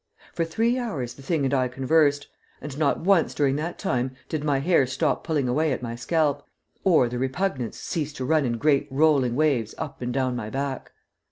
For three hours the thing and I conversed, and not once during that time did my hair stop pulling away at my scalp, or the repugnance cease to run in great rolling waves up and down my back.